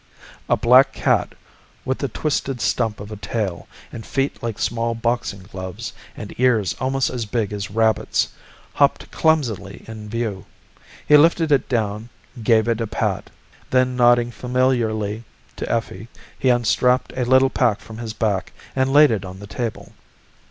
A black cat with a twisted stump of a tail and feet like small boxing gloves and ears almost as big as rabbits' hopped clumsily in view. He lifted it down, gave it a pat. Then, nodding familiarly to Effie, he unstrapped a little pack from his back and laid it on the table.